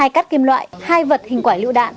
hai cắt kim loại hai vật hình quả lựu đạn